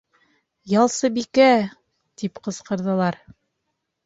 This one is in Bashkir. Ялсыбикә! —тип ҡысҡырҙылар.